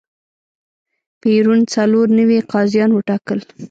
پېرون څلور نوي قاضیان وټاکل.